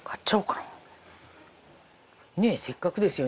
ねえせっかくですよね。